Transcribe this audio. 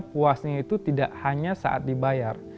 puasnya itu tidak hanya saat dibayar